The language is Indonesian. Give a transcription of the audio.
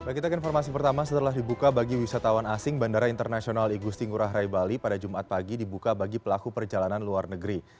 kita ke informasi pertama setelah dibuka bagi wisatawan asing bandara internasional igusti ngurah rai bali pada jumat pagi dibuka bagi pelaku perjalanan luar negeri